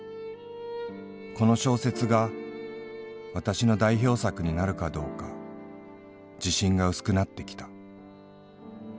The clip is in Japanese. この小説が私の代表作になるかどうか自信が薄くなってきた。